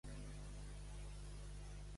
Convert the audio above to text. De poc cost.